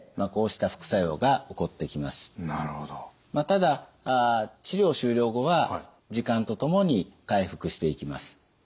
ただ治療終了後は時間とともに回復していきます。